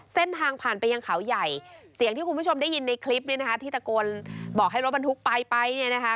เส้นทางผ่านไปยังเขาใหญ่เสียงที่คุณผู้ชมได้ยินในคลิปนี้นะคะที่ตะโกนบอกให้รถบรรทุกไปไปเนี่ยนะคะ